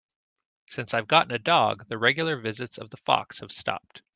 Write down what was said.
Since I've gotten a dog, the regular visits of the fox have stopped.